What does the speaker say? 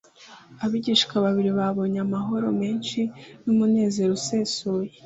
Abigishwa bari babonye amahoro menshi n'umunezero usesuye